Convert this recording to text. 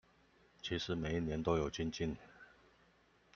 其實每一年都有精進